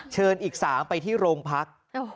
เชิญอีก๓ไปที่โรงพัก